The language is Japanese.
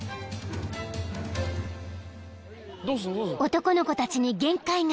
［男の子たちに限界が］